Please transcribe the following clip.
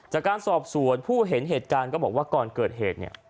จากการสอบสวนผู้เห็นเหตุการณ์ก็บอกว่าก่อนเกิดเหตุเนี่ย